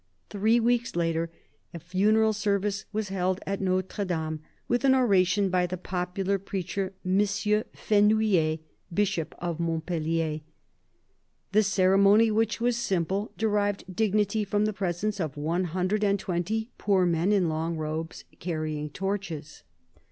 Three weeks later a funeral service was held at Notre Dame, with an oration by the popular preacher M. Fenouillet, Bishop of Montpellier. The ceremony, which was simple, derived dignity from the presence of one hundred and twenty poor men in long robes, carrying torches.